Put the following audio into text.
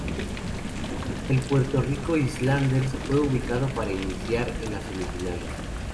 El Puerto Rico Islanders fue ubicado para iniciar en las semifinales.